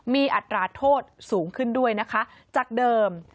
มีอัตราโทษสูงขึ้นด้วยนะคะจากเดิม